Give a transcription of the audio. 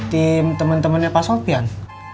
tim temen temennya pak sofyan